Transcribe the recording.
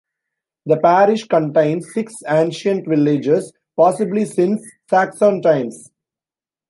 The parish contains six ancient villages, possibly since Saxon times.